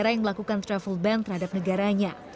negara yang melakukan travel bank terhadap negaranya